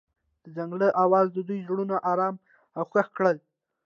د ځنګل اواز د دوی زړونه ارامه او خوښ کړل.